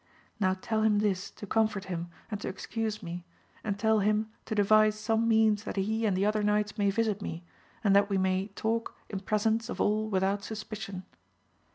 Now tell him this, to comfort him, and to excuse me, and tell him to devise some means that he and the other knights may visit me, and that we may talk in presence of all without suspicion.